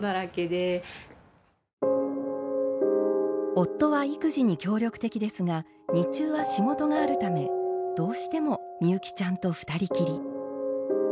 夫は育児に協力的ですが日中は仕事があるためどうしても美幸ちゃんと２人きり。